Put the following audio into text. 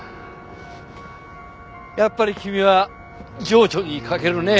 やっぱり君は情緒に欠けるね。